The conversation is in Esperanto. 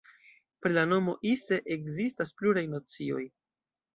Pri la nomo "Ise" ekzistas pluraj nocioj.